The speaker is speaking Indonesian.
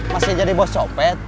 masih jadi bos copet